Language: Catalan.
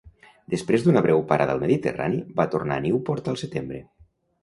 Després d"una breu parada al Mediterrani, va tornar a Newport al setembre.